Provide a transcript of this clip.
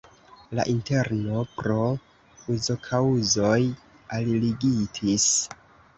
La interno pro uzokaŭzoj aliigitis.